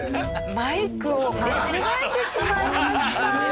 マイクを間違えてしまいました。